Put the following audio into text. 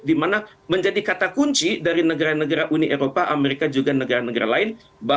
dimana menjadi kata kunci dari negara negara uni eropa amerika juga negara negara lain